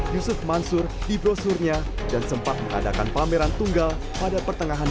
yusuf mansur di brosurnya dan sempat mengadakan pameran tunggal pada pertengahan dua ribu tujuh belas